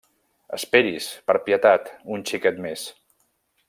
-Esperis, per pietat, un xiquet més!